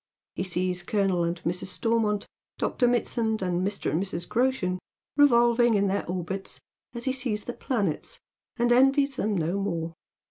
He sees Colonel and Mrs. Stormont, Dr. Mitsand, and Mr. and Mrs. Groshen revolving in their orbits as he sees the planets, and envies them no more.